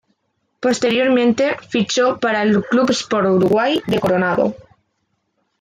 Posteriormente, fichó para el Club Sport Uruguay de Coronado.